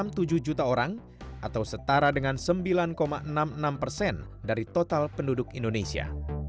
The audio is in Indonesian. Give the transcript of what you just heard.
rp dua puluh lima enam puluh tujuh juta orang atau setara dengan sembilan enam puluh enam persen dari total penduduk indonesia